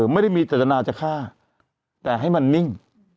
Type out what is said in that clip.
ไม่ได้มีจัตนาจะฆ่าแต่ให้มันนิ่ง